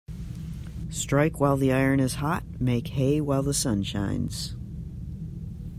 Strike while the iron is hot Make hay while the sun shines.